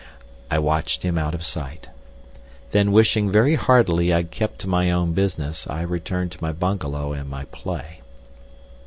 I watched him out of sight. Then wishing very heartily I had kept to my own business, I returned to my bungalow and my play.